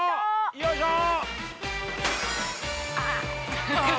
よいしょ！